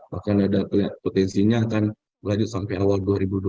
bahkan ada potensinya akan lanjut sampai awal dua ribu dua puluh tiga